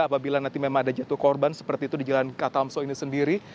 apabila nanti memang ada jatuh korban seperti itu di jalan katamso ini sendiri